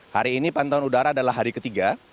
hari ini pantauan udara adalah hari ketiga